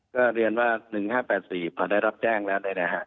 ก็เรียนว่า๑๕๘๔พอได้รับแจ้งแล้ว